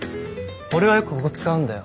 俺はよくここ使うんだよ